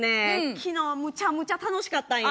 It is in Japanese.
昨日むちゃむちゃ楽しかったんよ。